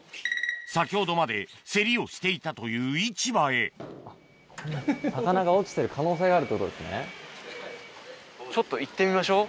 先ほどまで競りをしていたというちょっと行ってみましょう